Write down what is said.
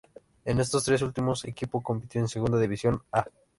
En estos tres últimos equipo compitió en Segunda División A".